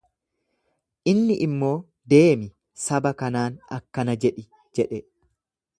Inni immoo deemi saba kanaan akkana jedhi jedhe.